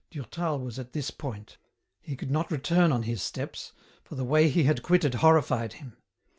Durtal was at this point ; he could not return on his steps, for the way he had quitted horrified him.